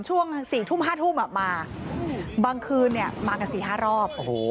ช่วง๔ทุ่ม๕ทุ่มบางคืนมากัน๔๕รอบ